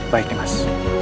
baik nih mas